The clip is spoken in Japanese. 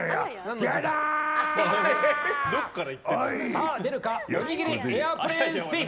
さあ、出るかおにぎりエアープレーンスピン！